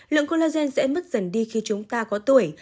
lượng collagen sẽ mất dần đi khi chúng ta có tuổi